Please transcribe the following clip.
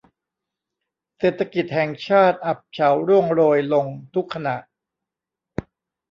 เศรษฐกิจแห่งชาติอับเฉาร่วงโรยลงทุกขณะ